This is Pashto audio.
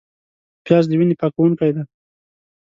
پیاز د وینې پاکوونکی دی